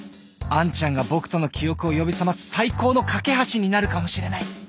杏ちゃんが僕との記憶を呼び覚ます最高の懸け橋になるかもしれない